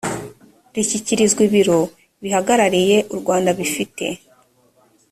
rishyikirizwa ibiro bihagarariye u rwanda bifite